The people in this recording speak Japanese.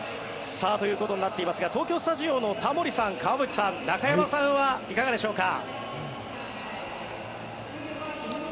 ということになっていますが東京スタジオのタモリさん川淵さん、中山さんはいかがでしょうか？